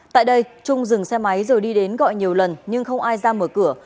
tại đây trung dừng xe máy rồi đi đến gọi nhiều lần nhưng không ai ra mở cửa